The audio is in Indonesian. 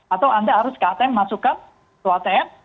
atau anda harus ke atm masukkan ke atm